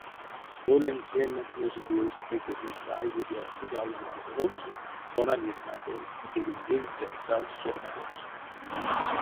Столентень нежедезь пекесь истя айгизе удалов азоронзо, тонанень натой кедень венстязь савсь сёрмадомс.